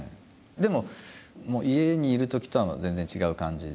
でも家にいるときとは全然違う感じで。